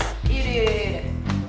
yaudah yaudah yaudah